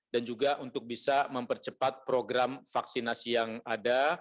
dan juga untuk bisa mempercepat program vaksinasi yang ada